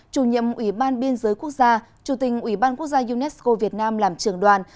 chủ nhiệm ủy ban biên giới quốc gia chủ tình ủy ban quốc gia unesco việt nam làm trường đoàn